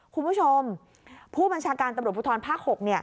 คุณผู้ชมผู้บัญชาการตำรวจภูทรภาค๖